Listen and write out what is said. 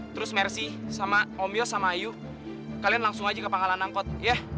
terus mercy sama omel sama ayu kalian langsung aja ke pangkalan angkot ya